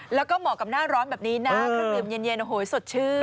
แล้วก็เหมาะกับหน้าร้อนแบบนี้นะเครื่องดื่มเย็นโอ้โหสดชื่น